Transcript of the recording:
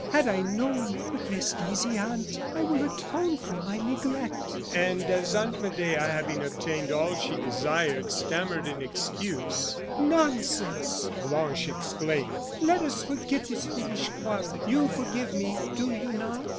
Had I known But rest easy, aunt; I will atone for my neglect." And as Aunt Medea, having obtained all she desired, stammered an excuse: "Nonsense!" Blanche exclaimed; "let us forget this foolish quarrel. You forgive me, do you not?"